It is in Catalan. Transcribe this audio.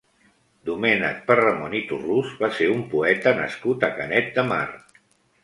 Domènec Perramon i Torrús va ser un poeta nascut a Canet de Mar.